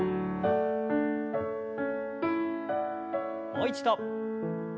もう一度。